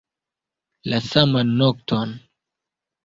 La saman nokton.